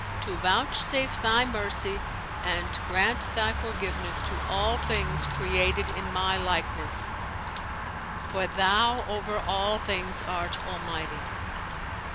to vouchsafe Thy mercy and grant Thy forgiveness to all things created in my likeness; for Thou over all things art Almighty!'